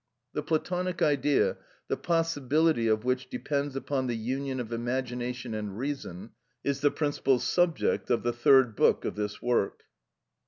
The Platonic idea, the possibility of which depends upon the union of imagination and reason, is the principal subject of the third book of this work.